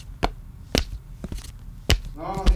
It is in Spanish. Recibió una buena educación.